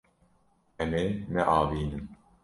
Em ê neavînin.